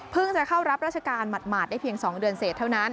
จะเข้ารับราชการหมาดได้เพียง๒เดือนเสร็จเท่านั้น